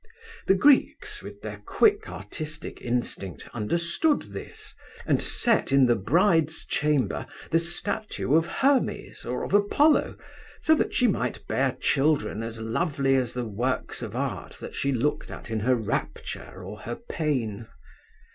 The Greeks, with their quick artistic instinct, understood this, and set in the bride's chamber the statue of Hermes or of Apollo, that she might bear children as lovely as the works of art that she looked at in her rapture or her pain.